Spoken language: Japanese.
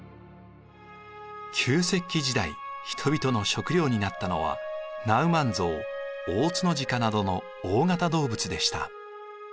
旧石器時代人々の食料になったのはナウマンゾウオオツノジカなどの大型動物でした。